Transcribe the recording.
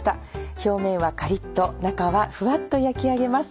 表面はカリっと中はフワっと焼き上げます。